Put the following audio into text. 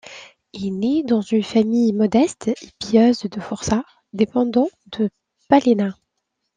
Il naît dans une famille modeste et pieuse de Forca, dépendant de Palena.